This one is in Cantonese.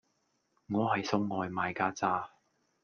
我係送外賣㗎咋